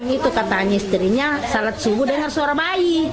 itu katanya istrinya saat subuh dengar suara bayi